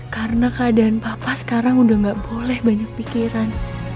karena keadaan papa sekarang udah gak boleh banyak pikiran